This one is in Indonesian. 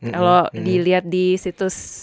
kalau dilihat di situs